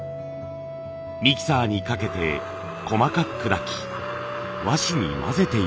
ミキサーにかけて細かく砕き和紙に混ぜているんです。